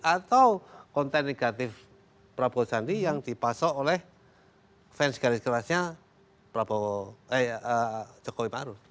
atau konten negatif prabowo sandi yang dipasok oleh fans garis kerasnya jokowi maruf